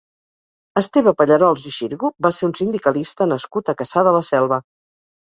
Esteve Pallarols i Xirgu va ser un sindicalista nascut a Cassà de la Selva.